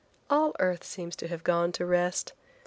All earth seemed to have gone to rest.